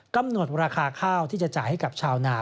กำหนดราคาข้าวที่จะจ่ายให้กับชาวนา